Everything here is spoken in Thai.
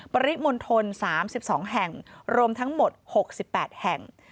ปริมณฑล๓๒แห่งรวมทั้งหมด๖๘แห่ง